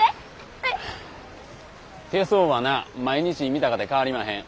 手相はな毎日見たかて変わりまへん。